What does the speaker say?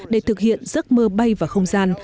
để thực hiện giấc mơ bay vào không gian